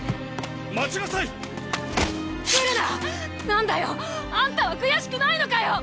なんだよ！あんたは悔しくないのかよ